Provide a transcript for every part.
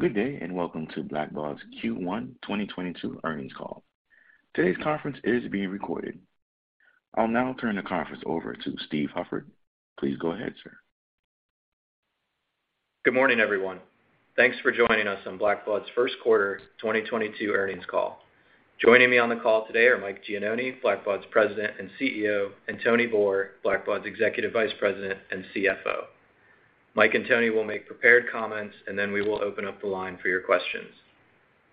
Good day, and welcome to Blackbaud's Q1 2022 Earnings Call. Today's conference is being recorded. I'll now turn the conference over to Steve Hufford. Please go ahead, sir. Good morning, everyone. Thanks for joining us on Blackbaud's First Quarter 2022 Earnings Call. Joining me on the call today are Mike Gianoni, Blackbaud's President and CEO, and Tony Boor, Blackbaud's Executive Vice President and CFO. Mike and Tony will make prepared comments, and then we will open up the line for your questions.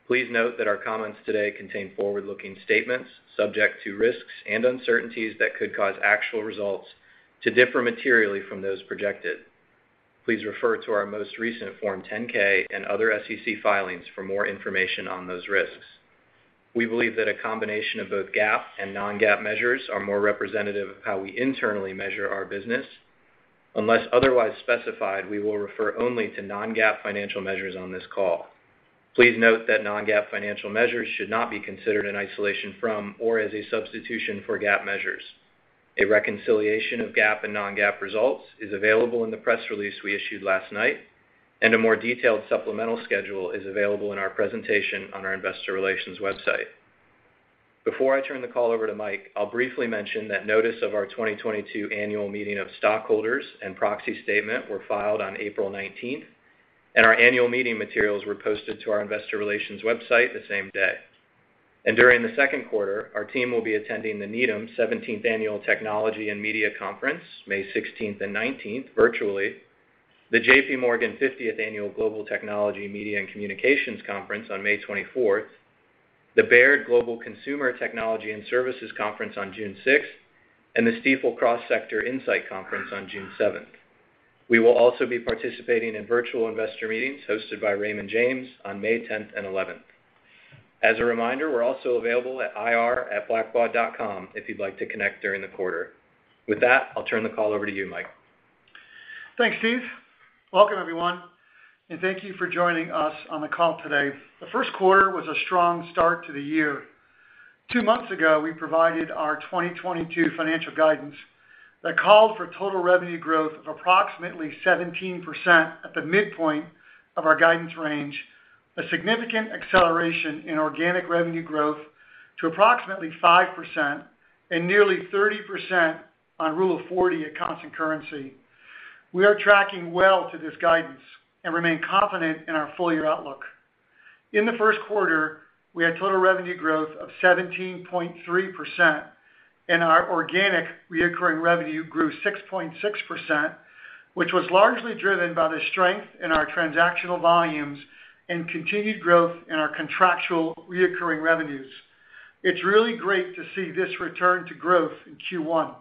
Please note that our comments today contain forward-looking statements subject to risks and uncertainties that could cause actual results to differ materially from those projected. Please refer to our most recent Form 10-K and other SEC filings for more information on those risks. We believe that a combination of both GAAP and non-GAAP measures are more representative of how we internally measure our business. Unless otherwise specified, we will refer only to non-GAAP financial measures on this call. Please note that non-GAAP financial measures should not be considered in isolation from or as a substitution for GAAP measures. A reconciliation of GAAP and non-GAAP results is available in the press release we issued last night, and a more detailed supplemental schedule is available in our presentation on our investor relations website. Before I turn the call over to Mike, I'll briefly mention that notice of our 2022 annual meeting of stockholders and proxy statement were filed on April 19, and our annual meeting materials were posted to our investor relations website the same day. During the second quarter, our team will be attending the Needham Seventeenth Annual Technology and Media Conference, May 16 and 19 virtually, the JPMorgan Fiftieth Annual Global Technology, Media, and Communications Conference on May 24, the Baird Global Consumer Technology and Services Conference on June 6, and the Stifel Cross Sector Insight Conference on June 7. We will also be participating in virtual investor meetings hosted by Raymond James on May 10th and 11th. As a reminder, we're also available at ir@blackbaud.com if you'd like to connect during the quarter. With that, I'll turn the call over to you, Mike. Thanks, Steve. Welcome, everyone, and thank you for joining us on the call today. The first quarter was a strong start to the year. Two months ago, we provided our 2022 financial guidance that called for total revenue growth of approximately 17% at the midpoint of our guidance range, a significant acceleration in organic revenue growth to approximately 5% and nearly 30% on Rule of 40 at constant currency. We are tracking well to this guidance and remain confident in our full-year outlook. In the first quarter, we had total revenue growth of 17.3%, and our organic recurring revenue grew 6.6%, which was largely driven by the strength in our transactional volumes and continued growth in our contractual recurring revenues. It's really great to see this return to growth in Q1.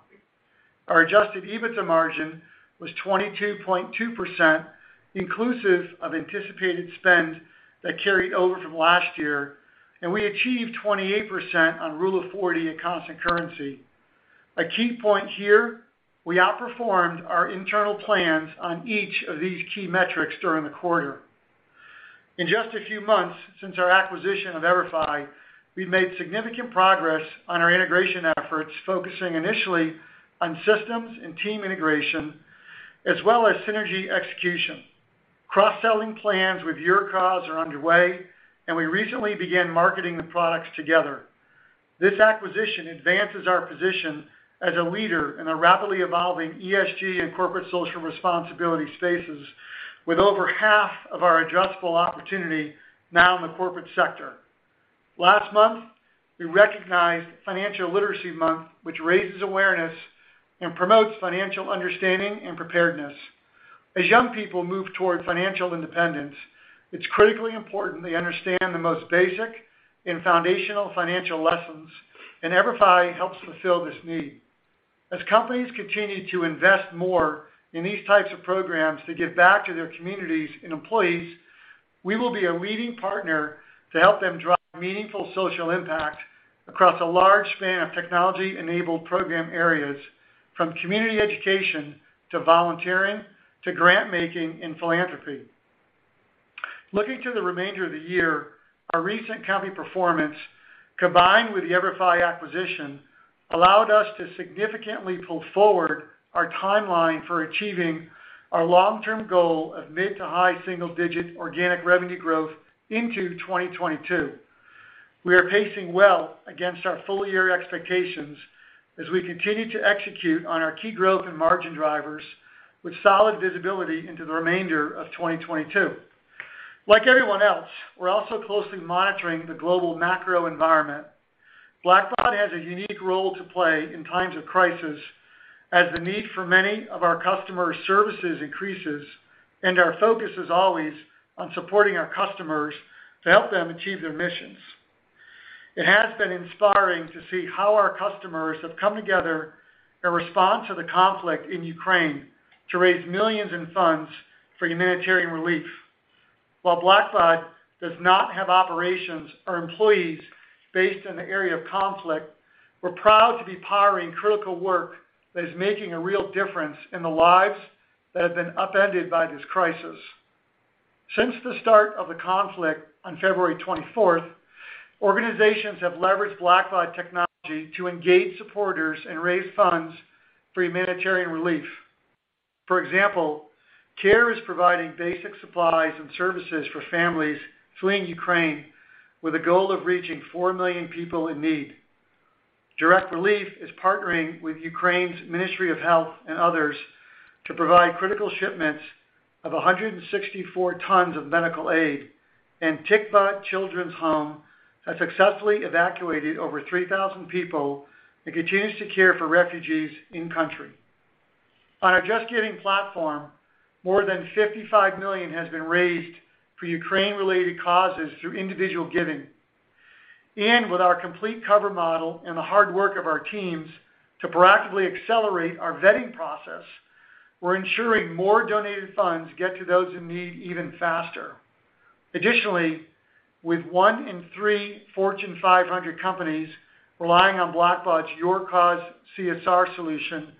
Our adjusted EBITDA margin was 22.2%, inclusive of anticipated spend that carried over from last year, and we achieved 28% on Rule of 40 at constant currency. A key point here, we outperformed our internal plans on each of these key metrics during the quarter. In just a few months since our acquisition of EVERFI, we've made significant progress on our integration efforts, focusing initially on systems and team integration, as well as synergy execution. Cross-selling plans with YourCause are underway, and we recently began marketing the products together. This acquisition advances our position as a leader in the rapidly evolving ESG and corporate social responsibility spaces with over half of our addressable opportunity now in the corporate sector. Last month, we recognized Financial Literacy Month, which raises awareness and promotes financial understanding and preparedness. As young people move toward financial independence, it's critically important they understand the most basic and foundational financial lessons, and EVERFI helps fulfill this need. As companies continue to invest more in these types of programs to give back to their communities and employees, we will be a leading partner to help them drive meaningful social impact across a large span of technology-enabled program areas from community education to volunteering to grant-making and philanthropy. Looking to the remainder of the year, our recent company performance, combined with the EVERFI acquisition, allowed us to significantly pull forward our timeline for achieving our long-term goal of mid to high single-digit organic revenue growth into 2022. We are pacing well against our full-year expectations as we continue to execute on our key growth and margin drivers with solid visibility into the remainder of 2022. Like everyone else, we're also closely monitoring the global macro environment. Blackbaud has a unique role to play in times of crisis as the need for many of our customer services increases, and our focus is always on supporting our customers to help them achieve their missions. It has been inspiring to see how our customers have come together in response to the conflict in Ukraine to raise millions in funds for humanitarian relief. While Blackbaud does not have operations or employees based in the area of conflict, we're proud to be powering critical work that is making a real difference in the lives that have been upended by this crisis. Since the start of the conflict on February 24th, organizations have leveraged Blackbaud technology to engage supporters and raise funds for humanitarian relief. For example, CARE is providing basic supplies and services for families fleeing Ukraine with a goal of reaching 4 million people in need. Direct Relief is partnering with Ukraine's Ministry of Health and others to provide critical shipments of 164 tons of medical aid, and Tikva Children's Home has successfully evacuated over 3,000 people and continues to care for refugees in country. On our JustGiving platform, more than $55 million has been raised for Ukraine-related causes through individual giving. With our complete cover model and the hard work of our teams to proactively accelerate our vetting process, we're ensuring more donated funds get to those in need even faster. Additionally, with 1/3 Fortune 500 companies relying on Blackbaud's YourCause CSR solution,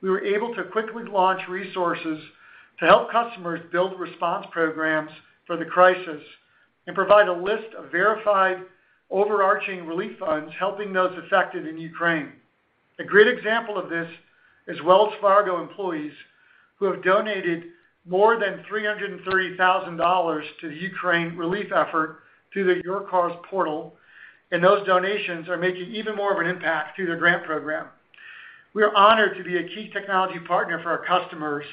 we were able to quickly launch resources to help customers build response programs for the crisis and provide a list of verified overarching relief funds helping those affected in Ukraine. A great example of this is Wells Fargo employees who have donated more than $330,000 to the Ukraine relief effort through the YourCause portal, and those donations are making even more of an impact through their grant program. We are honored to be a key technology partner for our customers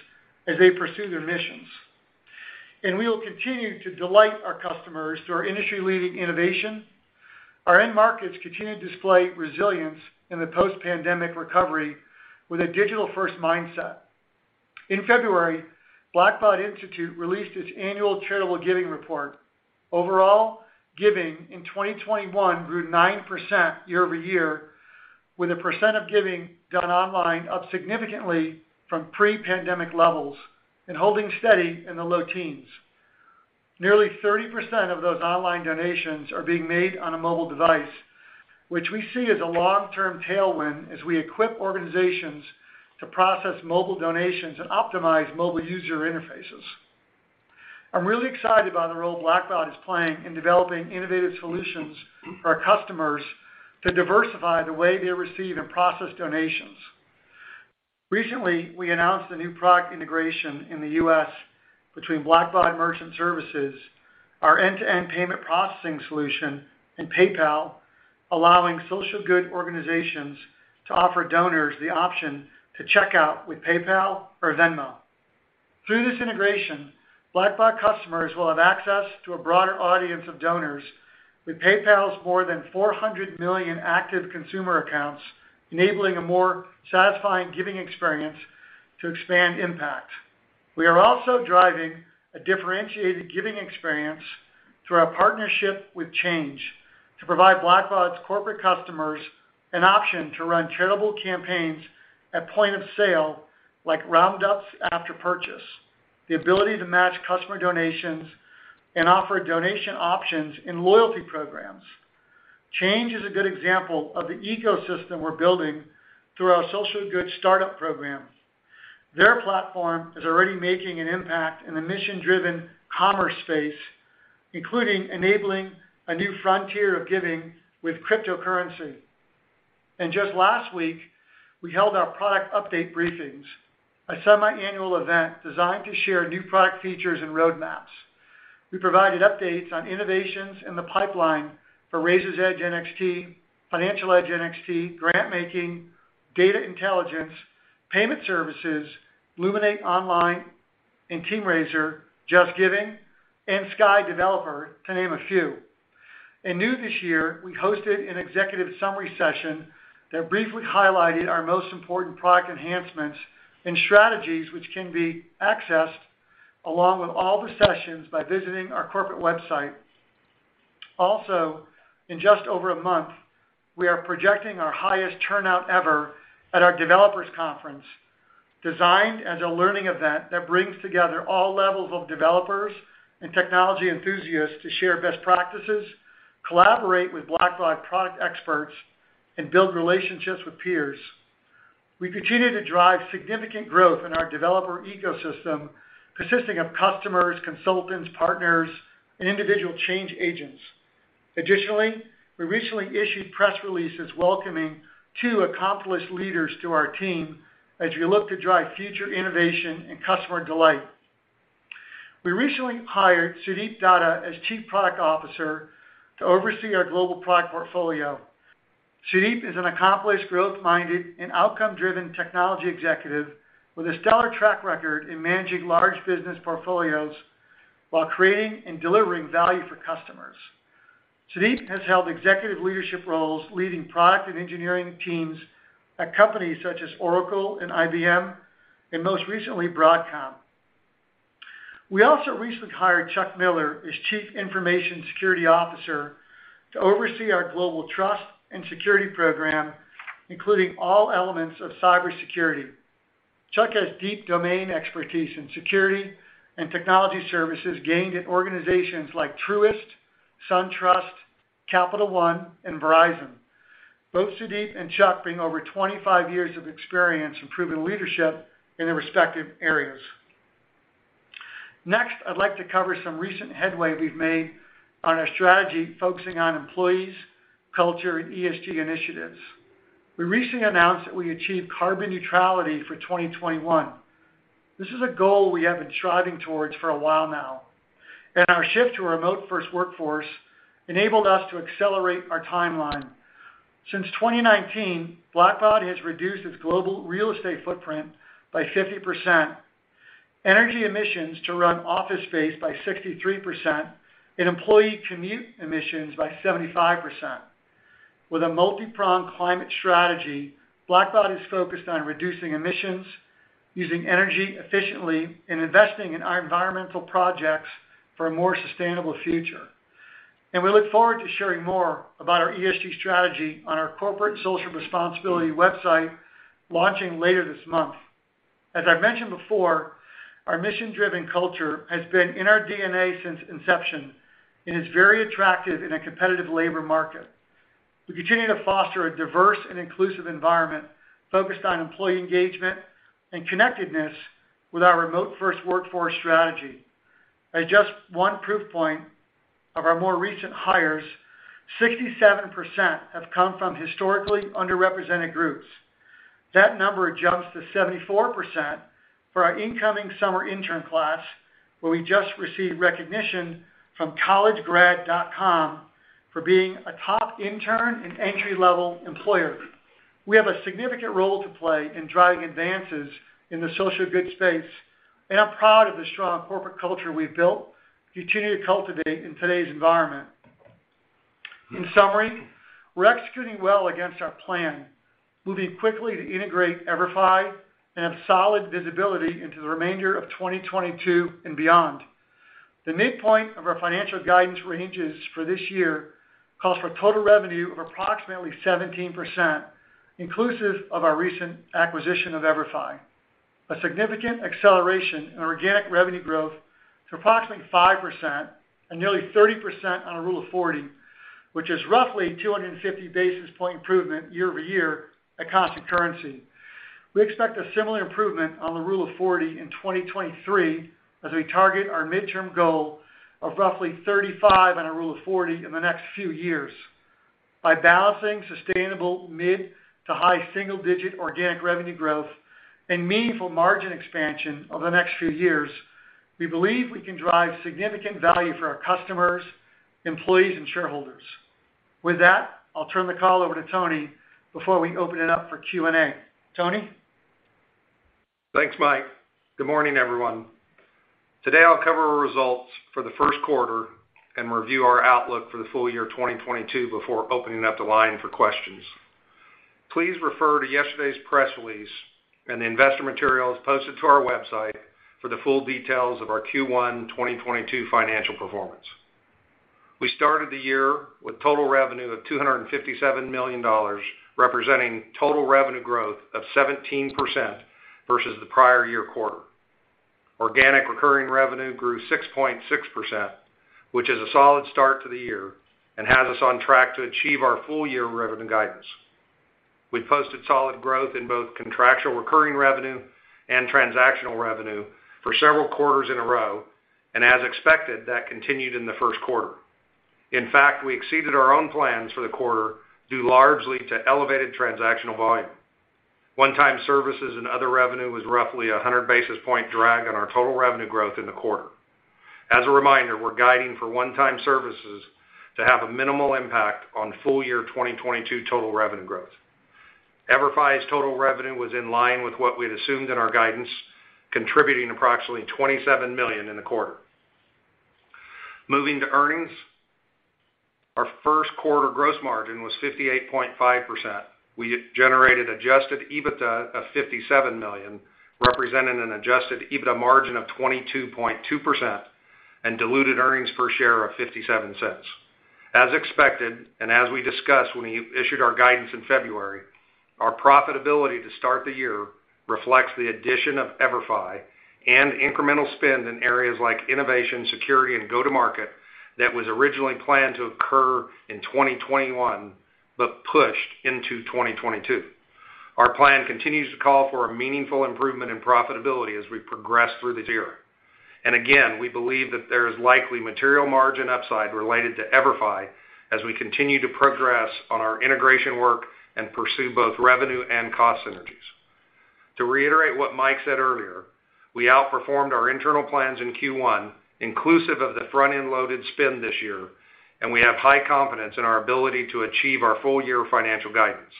as they pursue their missions, and we will continue to delight our customers through our industry-leading innovation. Our end markets continue to display resilience in the post-pandemic recovery with a digital-first mindset. In February, Blackbaud Institute released its annual charitable giving report. Overall, giving in 2021 grew 9% year-over-year, with the percent of giving done online up significantly from pre-pandemic levels and holding steady in the low teens. Nearly 30% of those online donations are being made on a mobile device, which we see as a long-term tailwind as we equip organizations to process mobile donations and optimize mobile user interfaces. I'm really excited by the role Blackbaud is playing in developing innovative solutions for our customers to diversify the way they receive and process donations. Recently, we announced a new product integration in the U.S. between Blackbaud Merchant Services, our end-to-end payment processing solution, and PayPal, allowing social good organizations to offer donors the option to check out with PayPal or Venmo. Through this integration, Blackbaud customers will have access to a broader audience of donors with PayPal's more than 400 million active consumer accounts, enabling a more satisfying giving experience to expand impact. We are also driving a differentiated giving experience through our partnership with Change to provide Blackbaud's corporate customers an option to run charitable campaigns at point of sale, like roundups after purchase, the ability to match customer donations, and offer donation options in loyalty programs. Change is a good example of the ecosystem we're building through our social good startup program. Their platform is already making an impact in the mission-driven commerce space, including enabling a new frontier of giving with cryptocurrency. Just last week, we held our product update briefings, a semiannual event designed to share new product features and roadmaps. We provided updates on innovations in the pipeline for Raiser's Edge NXT, Financial Edge NXT, grant-making, data intelligence, payment services, Luminate Online, and TeamRaiser, JustGiving, and SKY Developer, to name a few. New this year, we hosted an executive summary session that briefly highlighted our most important product enhancements and strategies, which can be accessed along with all the sessions by visiting our corporate website. Also, in just over a month, we are projecting our highest turnout ever at our developers conference, designed as a learning event that brings together all levels of developers and technology enthusiasts to share best practices, collaborate with Blackbaud product experts, and build relationships with peers. We continue to drive significant growth in our developer ecosystem consisting of customers, consultants, partners, and individual change agents. Additionally, we recently issued press releases welcoming two accomplished leaders to our team as we look to drive future innovation and customer delight. We recently hired Sudip Datta as Chief Product Officer to oversee our global product portfolio. Sudip is an accomplished, growth-minded, and outcome-driven technology executive with a stellar track record in managing large business portfolios while creating and delivering value for customers. Sudip has held executive leadership roles leading product and engineering teams at companies such as Oracle and IBM, and most recently, Broadcom. We also recently hired Chuck Miller as Chief Information Security Officer to oversee our global trust and security program, including all elements of cybersecurity. Chuck has deep domain expertise in security and technology services gained at organizations like Truist, SunTrust, Capital One, and Verizon. Both Sudip and Chuck bring over 25 years of experience and proven leadership in their respective areas. Next, I'd like to cover some recent headway we've made on our strategy focusing on employees, culture, and ESG initiatives. We recently announced that we achieved carbon neutrality for 2021. This is a goal we have been striving towards for a while now, and our shift to a remote-first workforce enabled us to accelerate our timeline. Since 2019, Blackbaud has reduced its global real estate footprint by 50%, energy emissions to run office space by 63%, and employee commute emissions by 75%. With a multi-pronged climate strategy, Blackbaud is focused on reducing emissions, using energy efficiently, and investing in our environmental projects for a more sustainable future. We look forward to sharing more about our ESG strategy on our corporate social responsibility website launching later this month. As I mentioned before, our mission-driven culture has been in our DNA since inception and is very attractive in a competitive labor market. We continue to foster a diverse and inclusive environment focused on employee engagement and connectedness with our remote-first workforce strategy. At just one proof point of our more recent hires, 67% have come from historically underrepresented groups. That number jumps to 74% for our incoming summer intern class, where we just received recognition from CollegeGrad.com for being a top intern and entry-level employer. We have a significant role to play in driving advances in the social good space, and I'm proud of the strong corporate culture we've built, continuing to cultivate in today's environment. In summary, we're executing well against our plan, moving quickly to integrate EVERFI and have solid visibility into the remainder of 2022 and beyond. The midpoint of our financial guidance ranges for this year calls for total revenue of approximately 17%, inclusive of our recent acquisition of EVERFI. A significant acceleration in organic revenue growth to approximately 5% and nearly 30% on a Rule of 40, which is roughly 250 basis point improvement year-over-year at constant currency. We expect a similar improvement on the Rule of 40 in 2023 as we target our midterm goal of roughly 35% on a Rule of 40 in the next few years. By balancing sustainable mid- to high single-digit organic revenue growth and meaningful margin expansion over the next few years, we believe we can drive significant value for our customers, employees, and shareholders. With that, I'll turn the call over to Tony before we open it up for Q&A. Tony? Thanks, Mike. Good morning, everyone. Today, I'll cover our results for the first quarter and review our outlook for the full year 2022 before opening up the line for questions. Please refer to yesterday's press release and the investor materials posted to our website for the full details of our Q1 2022 financial performance. We started the year with total revenue of $257 million, representing total revenue growth of 17% versus the prior year quarter. Organic recurring revenue grew 6.6%, which is a solid start to the year and has us on track to achieve our full-year revenue guidance. We've posted solid growth in both contractual recurring revenue and transactional revenue for several quarters in a row, and as expected, that continued in the first quarter. In fact, we exceeded our own plans for the quarter due largely to elevated transactional volume. One-time services and other revenue was roughly 100 basis point drag on our total revenue growth in the quarter. As a reminder, we're guiding for one-time services to have a minimal impact on full-year 2022 total revenue growth. EVERFI's total revenue was in line with what we had assumed in our guidance, contributing approximately $27 million in the quarter. Moving to earnings, our first quarter gross margin was 58.5%. We generated adjusted EBITDA of $57 million, representing an adjusted EBITDA margin of 22.2% and diluted earnings per share of $0.57. As expected, and as we discussed when we issued our guidance in February, our profitability to start the year reflects the addition of EVERFI and incremental spend in areas like innovation, security, and go-to-market that was originally planned to occur in 2021 but pushed into 2022. Our plan continues to call for a meaningful improvement in profitability as we progress through the year. Again, we believe that there is likely material margin upside related to EVERFI as we continue to progress on our integration work and pursue both revenue and cost synergies. To reiterate what Mike said earlier, we outperformed our internal plans in Q1, inclusive of the front-end loaded spend this year, and we have high confidence in our ability to achieve our full-year financial guidance.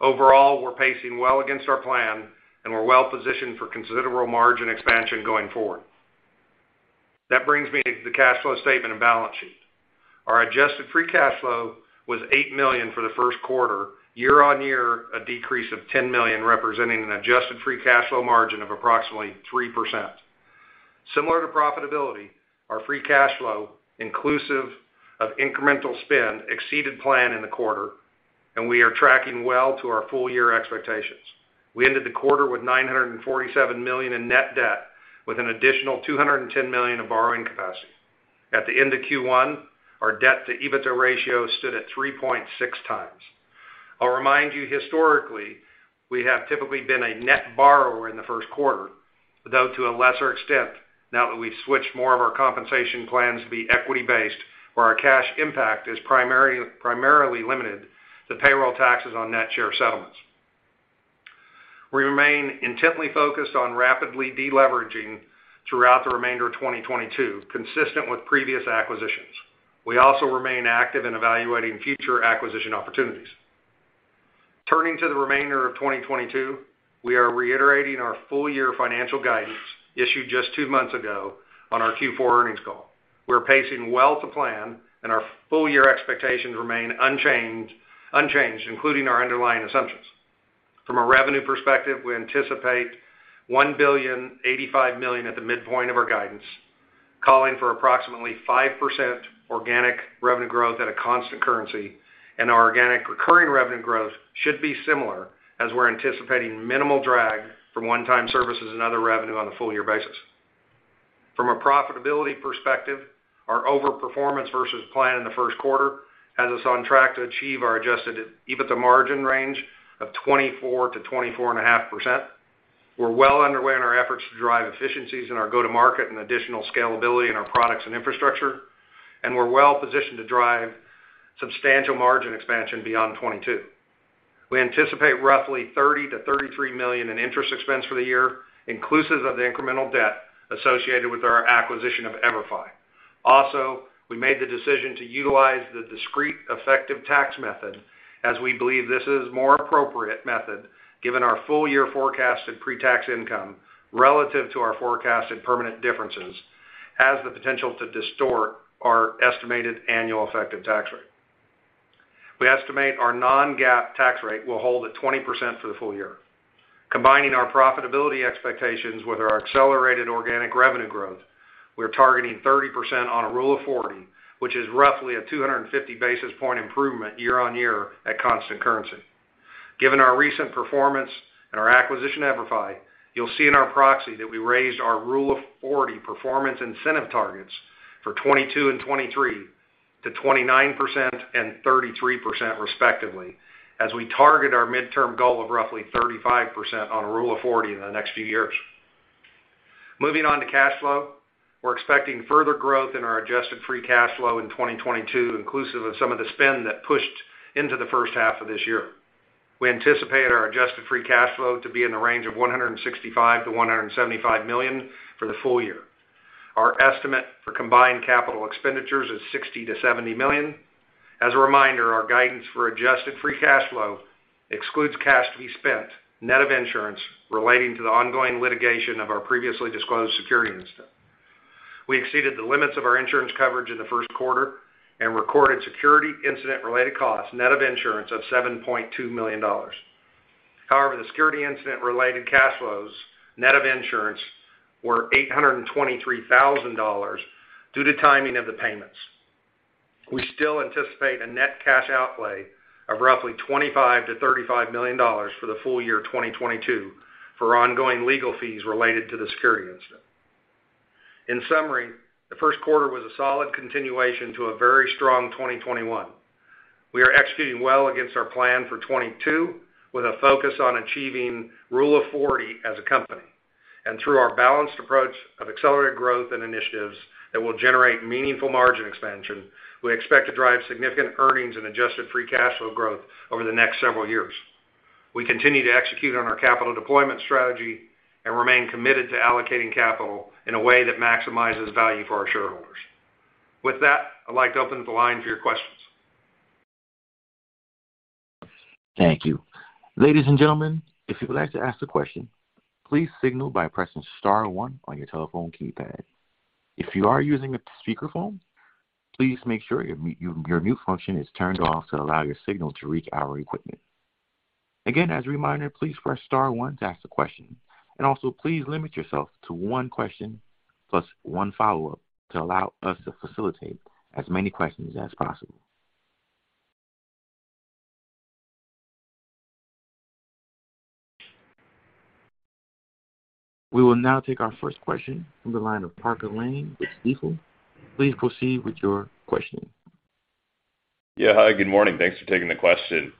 Overall, we're pacing well against our plan, and we're well positioned for considerable margin expansion going forward. That brings me to the cash flow statement and balance sheet. Our Adjusted Free Cash Flow was $8 million for the first quarter, year-over-year, a decrease of $10 million, representing an Adjusted Free Cash Flow margin of approximately 3%. Similar to profitability, our free cash flow, inclusive of incremental spend, exceeded plan in the quarter, and we are tracking well to our full-year expectations. We ended the quarter with $947 million in net debt with an additional $210 million of borrowing capacity. At the end of Q1, our debt-to-EBITDA ratio stood at 3.6 times. I'll remind you historically, we have typically been a net borrower in the first quarter, though to a lesser extent now that we've switched more of our compensation plans to be equity-based, where our cash impact is primarily limited to payroll taxes on net share settlements. We remain intently focused on rapidly de-leveraging throughout the remainder of 2022, consistent with previous acquisitions. We also remain active in evaluating future acquisition opportunities. Turning to the remainder of 2022, we are reiterating our full year financial guidance issued just two months ago on our Q4 Earnings Call. We're pacing well to plan, and our full year expectations remain unchanged, including our underlying assumptions. From a revenue perspective, we anticipate $1.085 billion at the midpoint of our guidance, calling for approximately 5% organic revenue growth at a constant currency, and our organic recurring revenue growth should be similar as we're anticipating minimal drag from one-time services and other revenue on a full year basis. From a profitability perspective, our overperformance versus plan in the first quarter has us on track to achieve our Adjusted EBITDA margin range of 24%-24.5%. We're well underway in our efforts to drive efficiencies in our go-to-market and additional scalability in our products and infrastructure, and we're well positioned to drive substantial margin expansion beyond 22%. We anticipate roughly $30 million-$33 million in interest expense for the year, inclusive of the incremental debt associated with our acquisition of EVERFI. Also, we made the decision to utilize the discrete effective tax method as we believe this is more appropriate method given our full-year forecast at pre-tax income relative to our forecast at permanent differences, has the potential to distort our estimated annual effective tax rate. We estimate our non-GAAP tax rate will hold at 20% for the full year. Combining our profitability expectations with our accelerated organic revenue growth, we are targeting 30% on a Rule of 40, which is roughly a 250 basis point improvement year-on-year at constant currency. Given our recent performance and our acquisition EVERFI, you'll see in our proxy that we raised our Rule of 40 performance incentive targets for 2022 and 2023 to 29% and 33% respectively, as we target our midterm goal of roughly 35% on a Rule of 40 in the next few years. Moving on to cash flow. We're expecting further growth in our adjusted free cash flow in 2022, inclusive of some of the spend that pushed into the first half of this year. We anticipate our adjusted free cash flow to be in the range of $165 million-$175 million for the full year. Our estimate for combined capital expenditures is $60 million-$70 million. As a reminder, our guidance for adjusted free cash flow excludes cash to be spent, net of insurance, relating to the ongoing litigation of our previously disclosed security incident. We exceeded the limits of our insurance coverage in the first quarter and recorded security incident-related costs, net of insurance, of $7.2 million. However, the security incident related cash flows, net of insurance, were $823,000 due to timing of the payments. We still anticipate a net cash outlay of roughly $25 million-$35 million for the full year of 2022 for ongoing legal fees related to the security incident. In summary, the first quarter was a solid continuation to a very strong 2021. We are executing well against our plan for 2022 with a focus on achieving Rule of 40 as a company. Through our balanced approach of accelerated growth and initiatives that will generate meaningful margin expansion, we expect to drive significant earnings and Adjusted Free Cash Flow growth over the next several years. We continue to execute on our capital deployment strategy and remain committed to allocating capital in a way that maximizes value for our shareholders. With that, I'd like to open up the line for your questions. Thank you. Ladies and gentlemen, if you would like to ask a question, please signal by pressing star one on your telephone keypad. If you are using a speakerphone, please make sure your mute function is turned off to allow your signal to reach our equipment. Again, as a reminder, please press star one to ask a question. Please limit yourself to one question plus one follow-up to allow us to facilitate as many questions as possible. We will now take our first question from the line of Parker Lane with Stifel. Please proceed with your questioning. Yeah. Hi, good morning. Thanks for taking the question.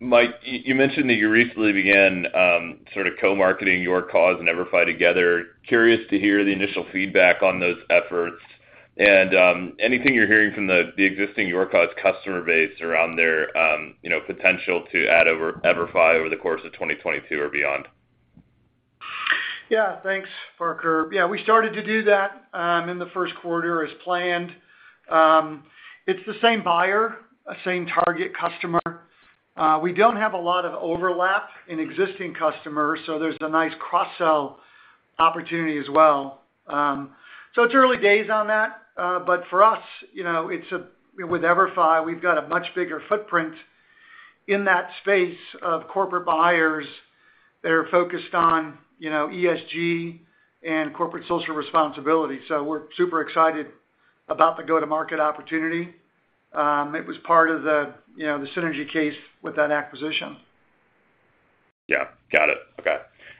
Mike, you mentioned that you recently began sort of co-marketing YourCause and EVERFI together. Curious to hear the initial feedback on those efforts and anything you're hearing from the existing YourCause customer base around their you know potential to add on EVERFI over the course of 2022 or beyond. Yeah. Thanks, Parker. Yeah, we started to do that in the first quarter as planned. It's the same buyer, same target customer. We don't have a lot of overlap in existing customers, so there's a nice cross-sell opportunity as well. It's early days on that. For us, you know, with EVERFI, we've got a much bigger footprint in that space of corporate buyers that are focused on, you know, ESG and corporate social responsibility. We're super excited about the go-to-market opportunity. It was part of the, you know, the synergy case with that acquisition. Yeah. Got it. Okay.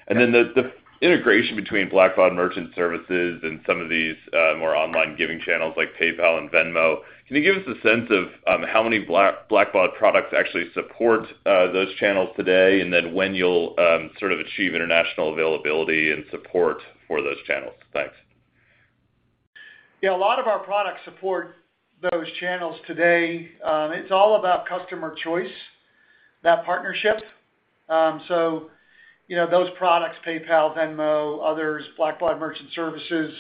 The integration between Blackbaud Merchant Services and some of these more online giving channels like PayPal and Venmo, can you give us a sense of how many Blackbaud products actually support those channels today, and then when you'll sort of achieve international availability and support for those channels? Thanks. Yeah. A lot of our products support those channels today. It's all about customer choice, that partnership. You know, those products, PayPal, Venmo, others, Blackbaud Merchant Services,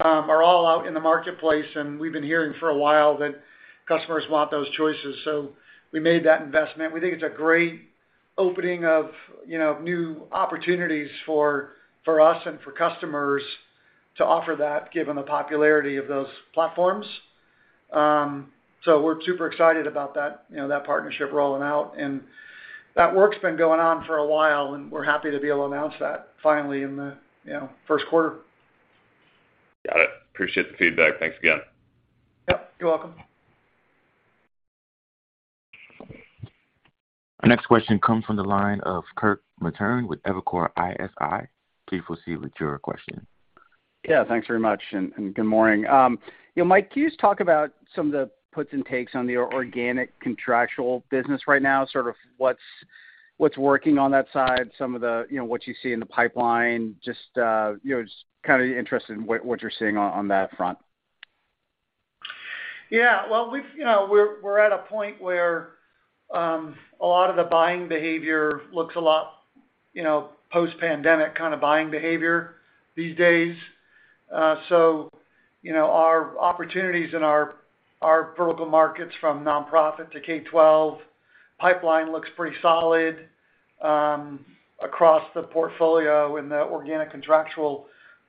are all out in the marketplace, and we've been hearing for a while that customers want those choices, so we made that investment. We think it's a great opening of, you know, new opportunities for us and for customers to offer that given the popularity of those platforms. We're super excited about that, you know, that partnership rolling out. That work's been going on for a while, and we're happy to be able to announce that finally in the, you know, first quarter. Got it. Appreciate the feedback. Thanks again. Yep, you're welcome. Our next question comes from the line of Kirk Materne with Evercore ISI. Please proceed with your question. Yeah. Thanks very much, and good morning. You know, Mike, can you just talk about some of the puts and takes on the organic contractual business right now, sort of what's working on that side, some of the, you know, what you see in the pipeline? Just, you know, just kind of interested in what you're seeing on that front. Yeah. Well, you know, we're at a point where a lot of the buying behavior looks a lot, you know, post-pandemic kind of buying behavior these days. You know, our opportunities in our vertical markets from nonprofit to K-12 pipeline looks pretty solid, across the portfolio in the organic contractual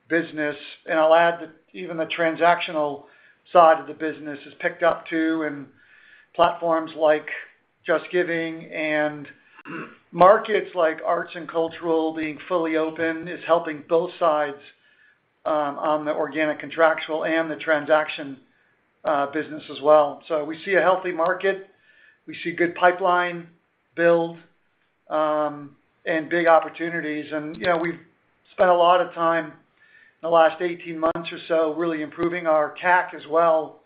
business. I'll add that even the transactional side of the business has picked up too, and platforms like JustGiving and markets like arts and culture being fully open is helping both sides, on the organic contractual and the transaction business as well. We see a healthy market. We see good pipeline build and big opportunities. You know, we've spent a lot of time in the last 18 months or so really improving our CAC as well,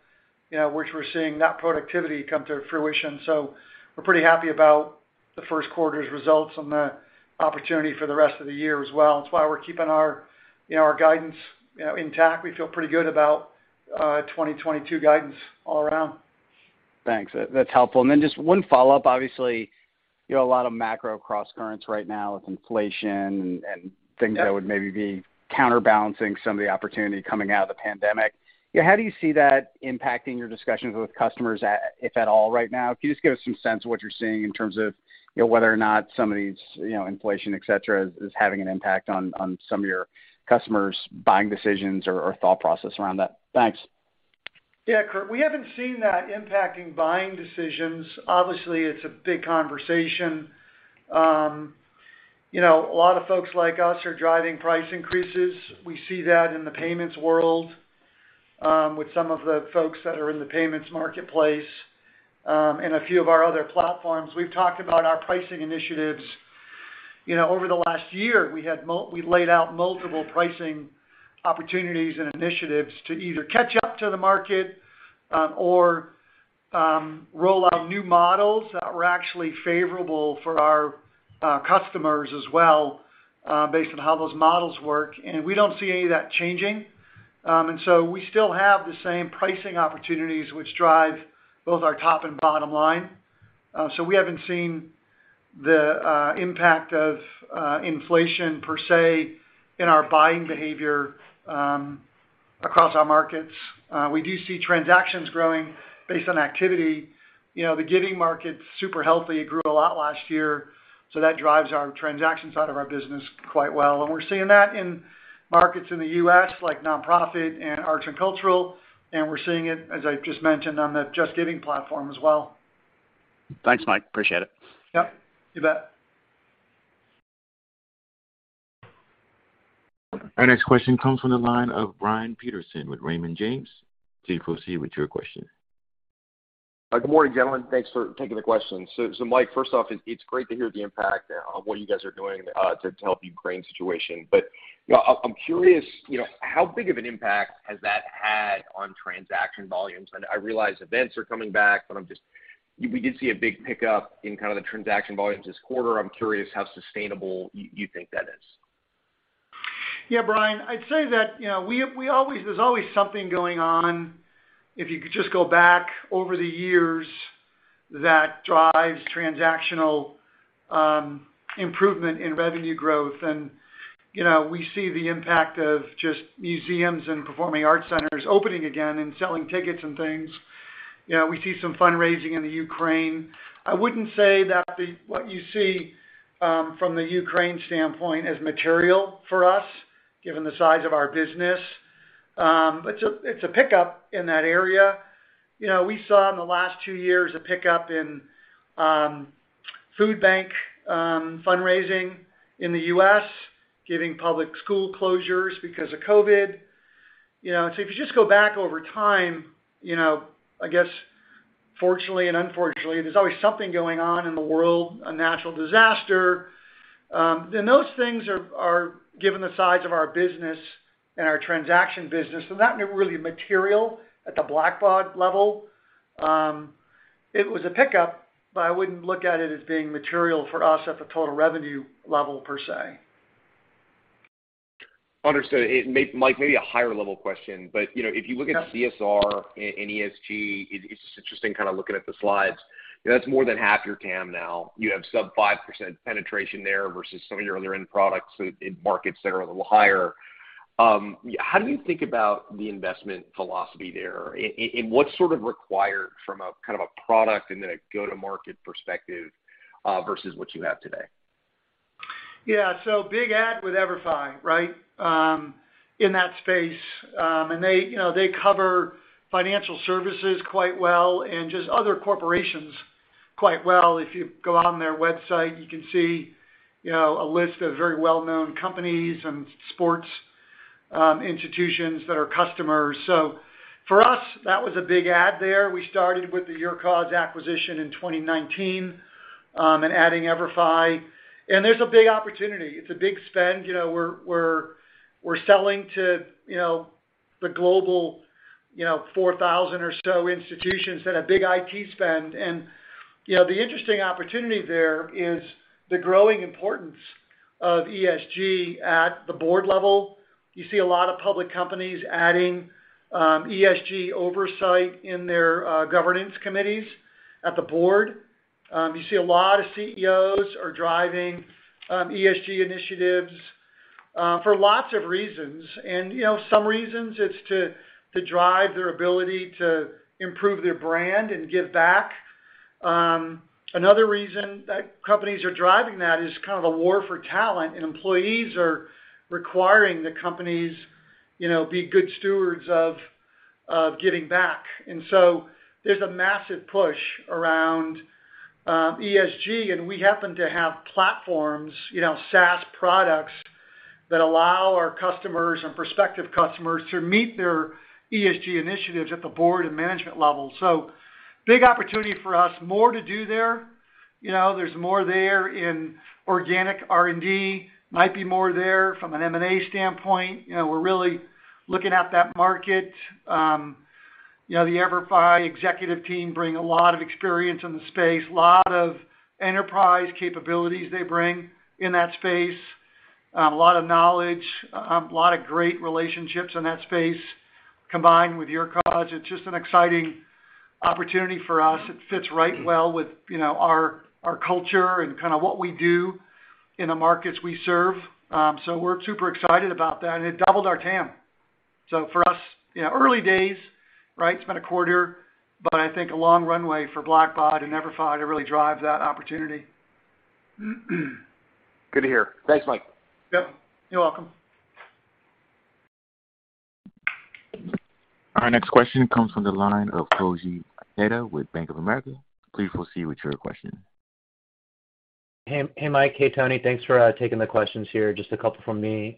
you know, which we're seeing that productivity come to fruition. We're pretty happy about the first quarter's results and the opportunity for the rest of the year as well. That's why we're keeping our, you know, our guidance, you know, intact. We feel pretty good about 2022 guidance all around. Thanks. That's helpful. Then just one follow-up. Obviously, you know, a lot of macro crosscurrents right now with inflation and things. Yeah That would maybe be counterbalancing some of the opportunity coming out of the pandemic. You know, how do you see that impacting your discussions with customers, if at all right now? Can you just give us some sense of what you're seeing in terms of, you know, whether or not some of these, you know, inflation, et cetera, is having an impact on some of your customers' buying decisions or thought process around that? Thanks. Yeah, Kirk. We haven't seen that impacting buying decisions. Obviously, it's a big conversation. You know, a lot of folks like us are driving price increases. We see that in the payments world, with some of the folks that are in the payments marketplace, and a few of our other platforms. We've talked about our pricing initiatives. You know, over the last year, we laid out multiple pricing opportunities and initiatives to either catch up to the market, or roll out new models that were actually favorable for our customers as well, based on how those models work, and we don't see any of that changing. We still have the same pricing opportunities which drive both our top and bottom line. So we haven't seen the impact of inflation per se in our buying behavior across our markets. We do see transactions growing based on activity. You know, the giving market's super healthy. It grew a lot last year, so that drives our transaction side of our business quite well. We're seeing that in markets in the U.S., like nonprofit and arts and cultural, and we're seeing it, as I just mentioned, on the JustGiving platform as well. Thanks, Mike. Appreciate it. Yep. You bet. Our next question comes from the line of Brian Peterson with Raymond James. Please proceed with your question. Good morning, gentlemen. Thanks for taking the question. Mike, first off, it's great to hear the impact on what you guys are doing to help Ukraine situation. But you know, I'm curious, you know, how big of an impact has that had on transaction volumes? I realize events are coming back, but I'm just, we did see a big pickup in kind of the transaction volumes this quarter. I'm curious how sustainable you think that is. Yeah. Brian, I'd say that, you know, there's always something going on, if you could just go back over the years, that drives transactional improvement in revenue growth. You know, we see the impact of just museums and performing arts centers opening again and selling tickets and things. You know, we see some fundraising in the Ukraine. I wouldn't say that what you see from the Ukraine standpoint is material for us, given the size of our business. It's a pickup in that area. You know, we saw in the last two years a pickup in food bank fundraising in the U.S. given public school closures because of COVID. You know, if you just go back over time, you know, I guess fortunately and unfortunately, there's always something going on in the world, a natural disaster, then those things are given the size of our business and our transaction business. That wasn't really material at the Blackbaud level. It was a pickup, but I wouldn't look at it as being material for us at the total revenue level per se. Understood. Mike, maybe a higher level question, but you know, if you look at CSR and ESG, it's just interesting kind of looking at the slides. That's more than half your TAM now. You have sub 5% penetration there versus some of your other end products in markets that are a little higher. How do you think about the investment philosophy there? What's sort of required from a kind of a product and then a go-to-market perspective versus what you have today? Yeah. Big ad with EVERFI, right? In that space. They, you know, cover financial services quite well and just other corporations quite well. If you go on their website, you can see, you know, a list of very well-known companies and sports institutions that are customers. For us, that was a big ad there. We started with the YourCause acquisition in 2019, and adding EVERFI. There's a big opportunity. It's a big spend. You know, we're selling to, you know, the global, you know, 4,000 or so institutions that have big IT spend. You know, the interesting opportunity there is the growing importance of ESG at the board level. You see a lot of public companies adding ESG oversight in their governance committees at the board. You see a lot of CEOs are driving ESG initiatives for lots of reasons. You know, some reasons it's to drive their ability to improve their brand and give back. Another reason that companies are driving that is kind of a war for talent, and employees are requiring the companies, you know, be good stewards of giving back. There's a massive push around ESG, and we happen to have platforms, you know, SaaS products that allow our customers and prospective customers to meet their ESG initiatives at the board and management level. Big opportunity for us. More to do there. You know, there's more there in organic R&D. Might be more there from an M&A standpoint. You know, we're really looking at that market. You know, the EVERFI executive team bring a lot of experience in the space, lot of enterprise capabilities they bring in that space, a lot of knowledge, a lot of great relationships in that space combined with YourCause. It's just an exciting opportunity for us. It fits right well with, you know, our culture and kinda what we do in the markets we serve. We're super excited about that, and it doubled our TAM. For us, you know, early days, right? It's been a quarter, but I think a long runway for Blackbaud and EVERFI to really drive that opportunity. Good to hear. Thanks, Mike. Yep. You're welcome. Our next question comes from the line of Koji Ikeda with Bank of America. Please proceed with your question. Hey, Mike. Hey, Tony. Thanks for taking the questions here. Just a couple from me.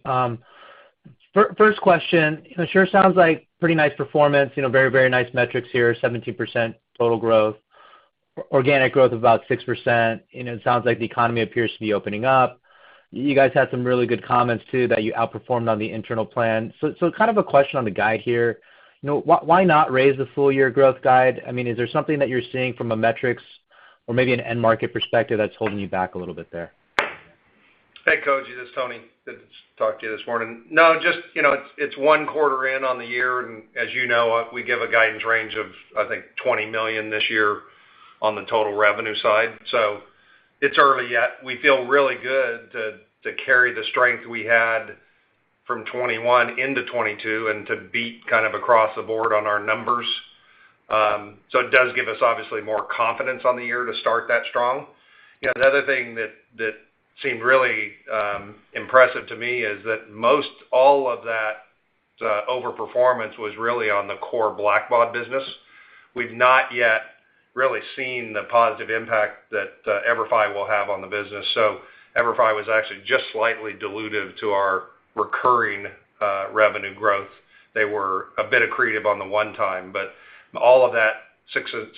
First question, it sure sounds like pretty nice performance. You know, very nice metrics here, 17% total growth, organic growth of about 6%. You know, it sounds like the economy appears to be opening up. You guys had some really good comments too that you outperformed on the internal plan. So kind of a question on the guide here. You know, why not raise the full year growth guide? I mean, is there something that you're seeing from a metrics or maybe an end market perspective that's holding you back a little bit there? Hey, Koji, this is Tony. Didn't talk to you this morning. No, just, you know, it's one quarter in on the year. As you know, we give a guidance range of, I think, $20 million this year on the total revenue side. It's early yet. We feel really good to carry the strength we had from 2021 into 2022 and to beat kind of across the board on our numbers. It does give us obviously more confidence on the year to start that strong. You know, the other thing that seemed really impressive to me is that most all of that overperformance was really on the core Blackbaud business. We've not yet really seen the positive impact that EVERFI will have on the business. EVERFI was actually just slightly dilutive to our recurring revenue growth. They were a bit accretive on the one-time, but all of that 6.6%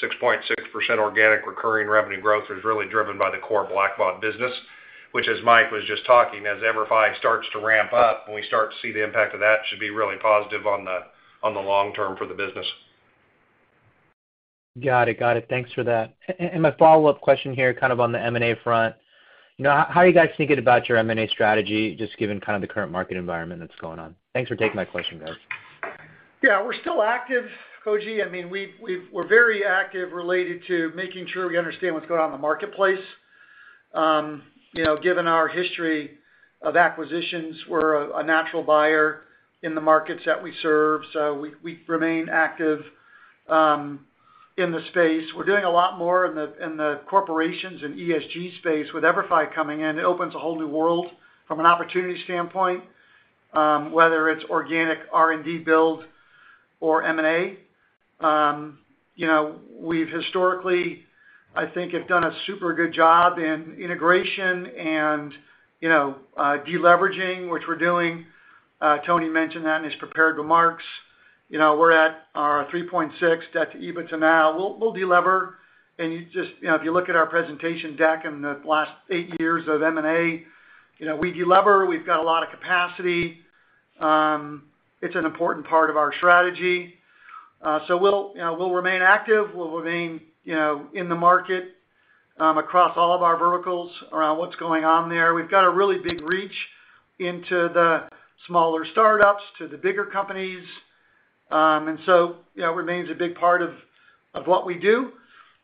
organic recurring revenue growth was really driven by the core Blackbaud business, which, as Mike was just talking, as EVERFI starts to ramp up and we start to see the impact of that, should be really positive on the long term for the business. Got it. Thanks for that. My follow-up question here, kind of on the M&A front, you know, how are you guys thinking about your M&A strategy, just given kind of the current market environment that's going on? Thanks for taking my question, guys. Yeah. We're still active, Koji. I mean, we're very active related to making sure we understand what's going on in the marketplace. You know, given our history of acquisitions, we're a natural buyer in the markets that we serve. So we remain active in the space. We're doing a lot more in the corporations and ESG space with EVERFI coming in. It opens a whole new world from an opportunity standpoint, whether it's organic R&D build or M&A. You know, we've historically, I think, have done a super good job in integration and de-leveraging, which we're doing. Tony mentioned that in his prepared remarks. You know, we're at our 3.6 debt-to-EBITDA now. We'll de-lever. You know, if you look at our presentation deck in the last eight years of M&A, you know, we de-lever, we've got a lot of capacity. It's an important part of our strategy. We'll remain active. We'll remain in the market across all of our verticals around what's going on there. We've got a really big reach into the smaller startups, to the bigger companies. You know, it remains a big part of what we do.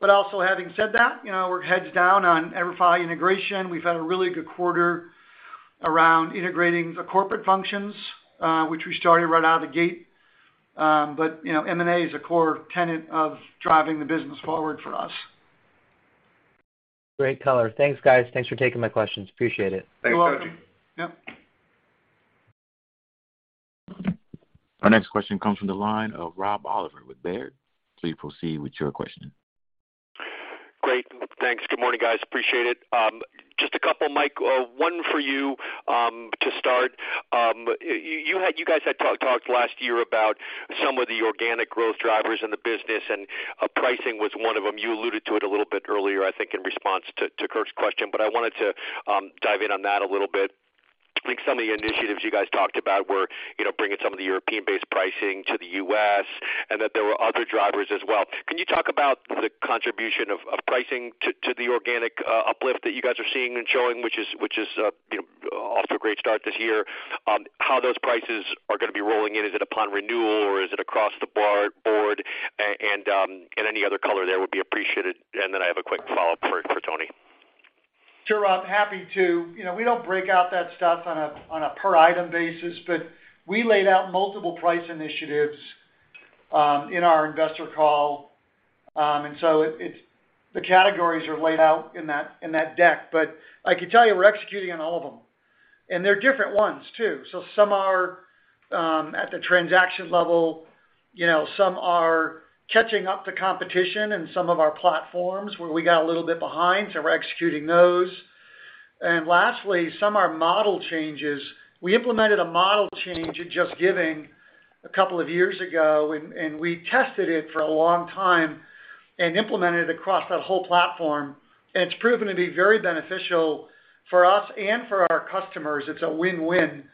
Also having said that, you know, we're heads down on EVERFI integration. We've had a really good quarter around integrating the corporate functions, which we started right out of the gate. You know, M&A is a core tenet of driving the business forward for us. Great color. Thanks, guys. Thanks for taking my questions. Appreciate it. You're welcome. Thanks, Tony. Yep. Our next question comes from the line of Rob Oliver with Baird. Please proceed with your question. Great. Thanks. Good morning, guys. Appreciate it. Just a couple, Mike, one for you, to start. You guys had talked last year about some of the organic growth drivers in the business, and pricing was one of them. You alluded to it a little bit earlier, I think, in response to Kirk's question. I wanted to dive in on that a little bit. I think some of the initiatives you guys talked about were, you know, bringing some of the European-based pricing to the U.S., and that there were other drivers as well. Can you talk about the contribution of pricing to the organic uplift that you guys are seeing and showing, which is, you know, off to a great start this year? How those prices are gonna be rolling in? Is it upon renewal, or is it across the board? Any other color there would be appreciated. Then I have a quick follow-up for Tony. Sure, Rob. Happy to. You know, we don't break out that stuff on a per item basis, but we laid out multiple price initiatives in our investor call. It's the categories are laid out in that deck. But I can tell you we're executing on all of them, and they're different ones too. Some are at the transaction level. You know, some are catching up to competition in some of our platforms where we got a little bit behind, so we're executing those. Lastly, some are model changes. We implemented a model change at JustGiving a couple of years ago, and we tested it for a long time and implemented it across that whole platform. It's proven to be very beneficial for us and for our customers. It's a win-win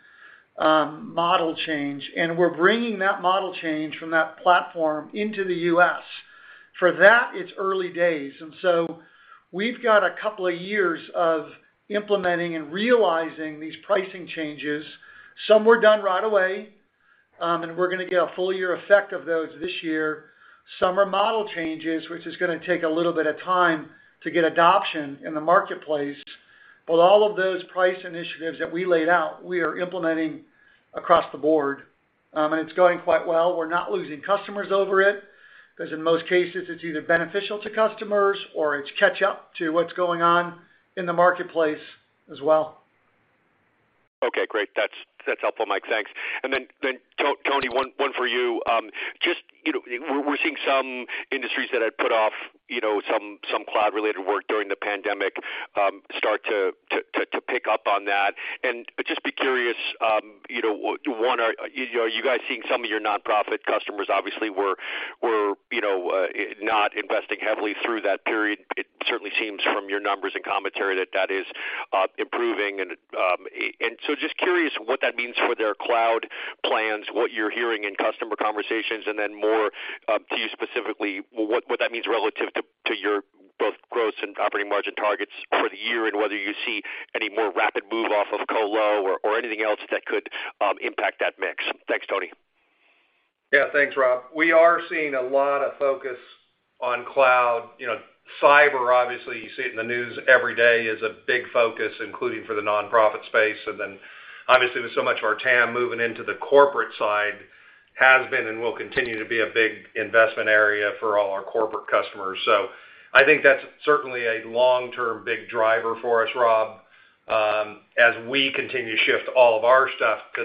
model change, and we're bringing that model change from that platform into the U.S. For that, it's early days, and so we've got a couple of years of implementing and realizing these pricing changes. Some were done right away, and we're gonna get a full year effect of those this year. Some are model changes, which is gonna take a little bit of time to get adoption in the marketplace. All of those price initiatives that we laid out, we are implementing across the board. It's going quite well. We're not losing customers over it because in most cases, it's either beneficial to customers or it's catch up to what's going on in the marketplace as well. Okay, great. That's helpful, Mike. Thanks. Then Tony, one for you. Just, you know, we're seeing some industries that had put off, you know, some cloud-related work during the pandemic, start to pick up on that. Just curious, you know, are you guys seeing some of your nonprofit customers obviously were, you know, not investing heavily through that period? It certainly seems from your numbers and commentary that is improving. Just curious what that means for their cloud plans, what you're hearing in customer conversations, and then more to you specifically, what that means relative to your both gross and operating margin targets for the year, and whether you see any more rapid move off of colo or anything else that could impact that mix. Thanks, Tony. Yeah, thanks, Rob. We are seeing a lot of focus on cloud. You know, cyber, obviously, you see it in the news every day, is a big focus, including for the nonprofit space. Obviously, with so much of our TAM moving into the corporate side has been and will continue to be a big investment area for all our corporate customers. I think that's certainly a long-term big driver for us, Rob. As we continue to shift all of our stuff to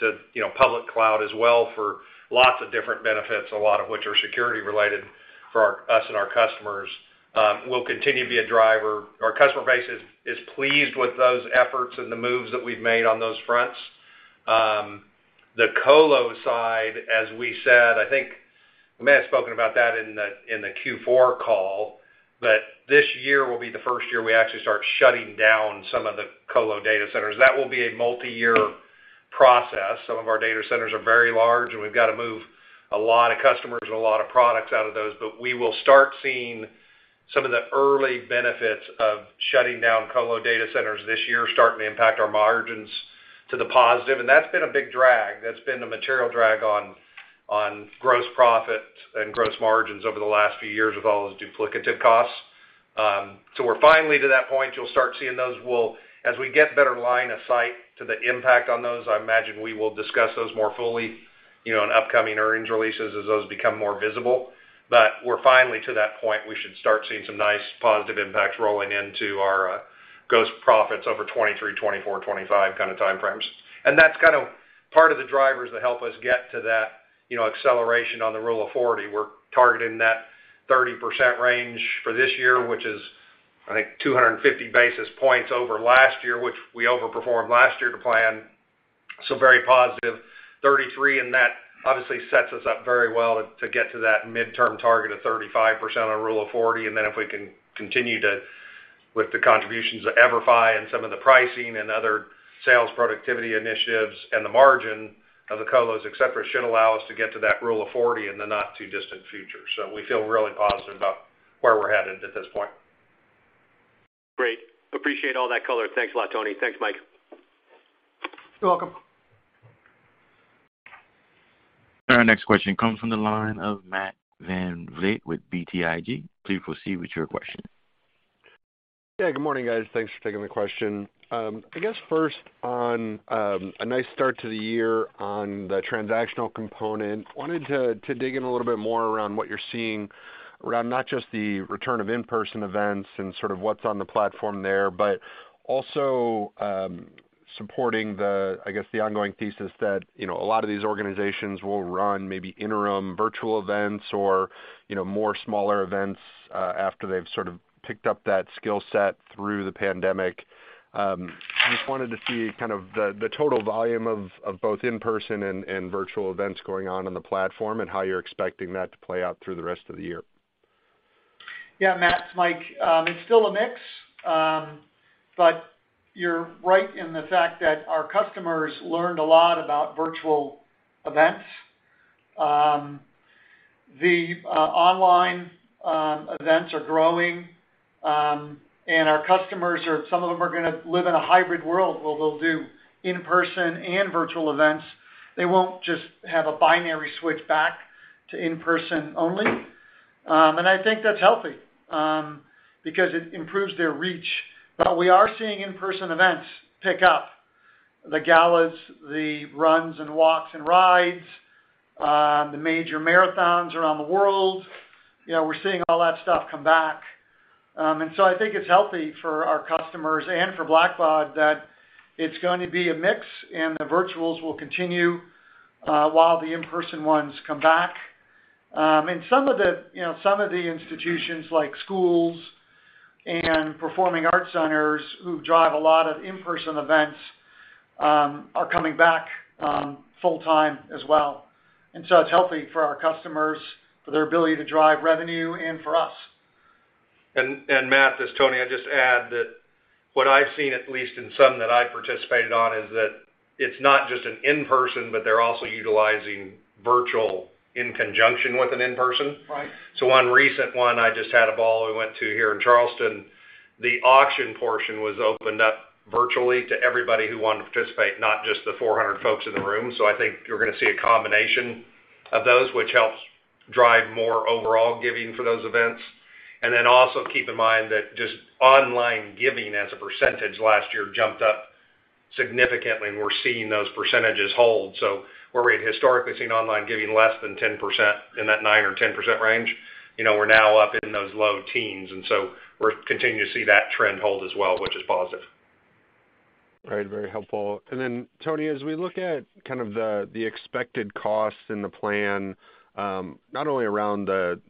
the public cloud as well for lots of different benefits, a lot of which are security related for us and our customers, will continue to be a driver. Our customer base is pleased with those efforts and the moves that we've made on those fronts. The colo side, as we said, I think we may have spoken about that in the Q4 call, but this year will be the first year we actually start shutting down some of the colo data centers. That will be a multi-year process. Some of our data centers are very large, and we've got to move a lot of customers and a lot of products out of those. We will start seeing some of the early benefits of shutting down colo data centers this year starting to impact our margins to the positive. That's been a big drag. That's been a material drag on gross profit and gross margins over the last few years with all those duplicative costs. We're finally to that point. You'll start seeing those. As we get better line of sight to the impact on those, I imagine we will discuss those more fully, you know, in upcoming earnings releases as those become more visible. We're finally to that point. We should start seeing some nice positive impacts rolling into our gross profits over 2023, 2024, 2025 kind of time frames. That's kind of part of the drivers that help us get to that, you know, acceleration on the Rule of 40. We're targeting that 30% range for this year, which is, I think 250 basis points over last year, which we overperformed last year to plan. Very positive. 33%, and that obviously sets us up very well to get to that midterm target of 35% on Rule of 40. If we can continue with the contributions of EVERFI and some of the pricing and other sales productivity initiatives and the margin of the colos, et cetera, should allow us to get to that Rule of 40 in the not too distant future. We feel really positive about where we're headed at this point. Great. Appreciate all that color. Thanks a lot, Tony. Thanks, Mike. You're welcome. Our next question comes from the line of Matt VanVliet with BTIG. Please proceed with your question. Good morning, guys. Thanks for taking the question. I guess first on a nice start to the year on the transactional component. Wanted to dig in a little bit more around what you're seeing around not just the return of in-person events and sort of what's on the platform there, but also supporting the, I guess, the ongoing thesis that, you know, a lot of these organizations will run maybe interim virtual events or, you know, more smaller events after they've sort of picked up that skill set through the pandemic. Just wanted to see kind of the total volume of both in-person and virtual events going on the platform and how you're expecting that to play out through the rest of the year. Yeah, Matt, it's Mike. It's still a mix. But you're right in the fact that our customers learned a lot about virtual events. The online events are growing, and our customers are some of them are gonna live in a hybrid world where they'll do in-person and virtual events. They won't just have a binary switch back to in-person only. I think that's healthy, because it improves their reach. We are seeing in-person events pick up. The galas, the runs and walks and rides, the major marathons around the world, you know, we're seeing all that stuff come back. I think it's healthy for our customers and for Blackbaud that it's going to be a mix and the virtuals will continue, while the in-person ones come back. Some of the, you know, some of the institutions like schools and performing arts centers who drive a lot of in-person events are coming back full-time as well. It's healthy for our customers, for their ability to drive revenue and for us. Matt, this is Tony. I'd just add that what I've seen, at least in some that I participated on, is that it's not just an in-person, but they're also utilizing virtual in conjunction with an in-person. Right. One recent one I just had a ball we went to here in Charleston, the auction portion was opened up virtually to everybody who wanted to participate, not just the 400 folks in the room. I think you're gonna see a combination of those which helps drive more overall giving for those events. Then also keep in mind that just online giving as a percentage last year jumped up significantly, and we're seeing those percentages hold. Where we had historically seen online giving less than 10%, in that 9% or 10% range, you know, we're now up in those low teens, and so we're continuing to see that trend hold as well, which is positive. Right. Very helpful. Tony, as we look at the expected cost in the plan, not only around the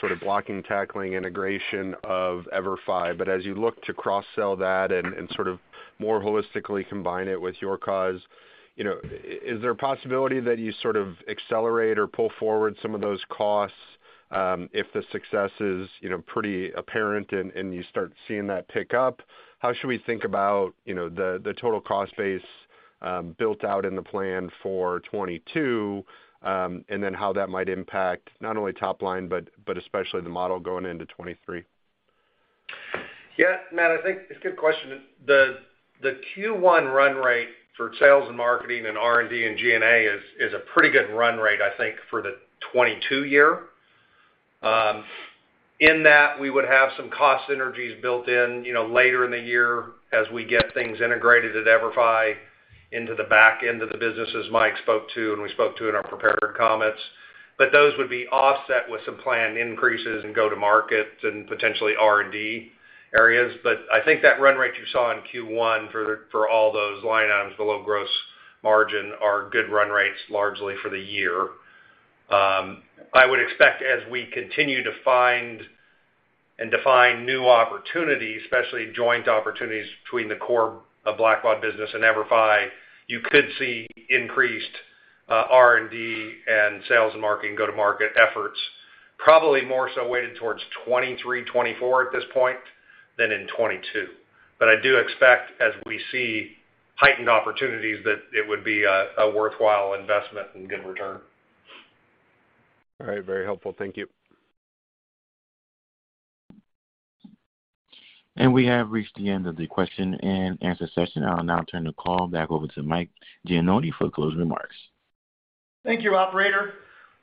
sort of blocking, tackling, integration of EVERFI, but as you look to cross-sell that and sort of more holistically combine it with YourCause, is there a possibility that you sort of accelerate or pull forward some of those costs, if the success is pretty apparent and you start seeing that pick up? How should we think about the total cost base built out in the plan for 2022, and then how that might impact not only top line, but especially the model going into 2023? Yeah, Matt, I think it's a good question. The Q1 run rate for sales and marketing and R&D and G&A is a pretty good run rate, I think, for the 2022 year. In that we would have some cost synergies built in, you know, later in the year as we get things integrated at EVERFI into the back end of the business as Mike spoke to and we spoke to in our prepared comments. Those would be offset with some planned increases in go-to-markets and potentially R&D areas. I think that run rate you saw in Q1 for all those line items below gross margin are good run rates largely for the year. I would expect as we continue to find and define new opportunities, especially joint opportunities between the core of Blackbaud business and EVERFI, you could see increased R&D and sales and marketing go-to-market efforts, probably more so weighted towards 2023, 2024 at this point than in 2022. I do expect as we see heightened opportunities, that it would be a worthwhile investment and good return. All right. Very helpful. Thank you. We have reached the end of the question and answer session. I'll now turn the call back over to Mike Gianoni for closing remarks. Thank you, operator.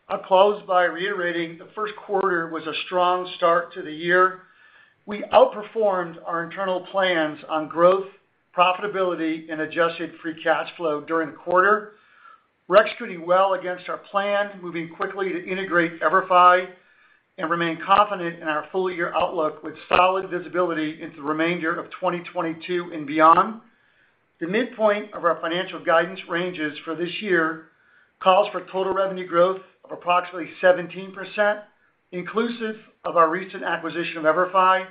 I'll close by reiterating the first quarter was a strong start to the year. We outperformed our internal plans on growth, profitability, and Adjusted Free Cash Flow during the quarter. We're executing well against our plan, moving quickly to integrate EVERFI and remain confident in our full-year outlook with solid visibility into the remainder of 2022 and beyond. The midpoint of our financial guidance ranges for this year calls for total revenue growth of approximately 17%, inclusive of our recent acquisition of EVERFI,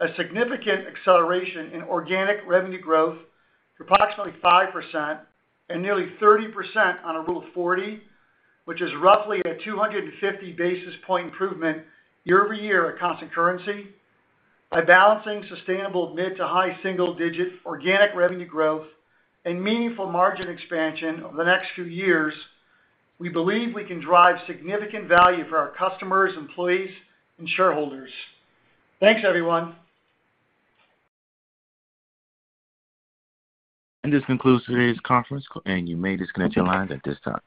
a significant acceleration in organic revenue growth to approximately 5% and nearly 30% on a Rule of 40, which is roughly a 250 basis points improvement year-over-year at constant currency. By balancing sustainable mid- to high-single-digit organic revenue growth and meaningful margin expansion over the next few years, we believe we can drive significant value for our customers, employees, and shareholders. Thanks, everyone. This concludes today's conference call, and you may disconnect your lines at this time.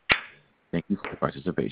Thank you for your participation.